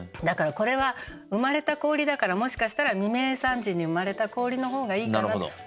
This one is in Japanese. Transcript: だからこれは「生まれた氷」だからもしかしたら「未明３時に生まれた氷」の方がいいかなと。